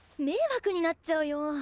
迷惑になっちゃうよ。